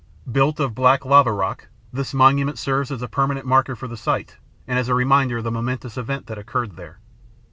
Built of black lava rock, this monument serves as a permanent marker for the site and as a reminder of the momentous event that occurred there.